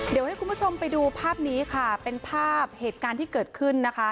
เดี๋ยวให้คุณผู้ชมไปดูภาพนี้ค่ะเป็นภาพเหตุการณ์ที่เกิดขึ้นนะคะ